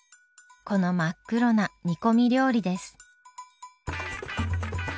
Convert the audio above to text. この真っ黒な煮込み料理です。